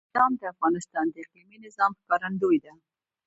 بادام د افغانستان د اقلیمي نظام ښکارندوی ده.